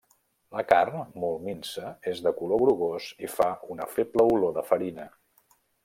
La carn, molt minsa, és de color grogós i fa una feble olor de farina.